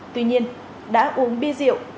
tuy nhiên đã uống bia rượu